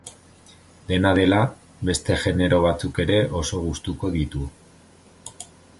Dena dela, beste genero batzuk ere oso gustuko ditu.